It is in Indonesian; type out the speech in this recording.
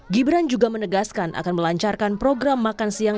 gibran juga menegaskan akan melancarkan program makan siang